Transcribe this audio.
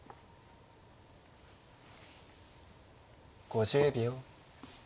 ５０秒。